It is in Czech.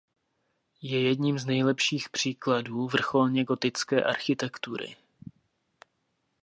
Je jedním z nejlepších příkladů vrcholně gotické architektury.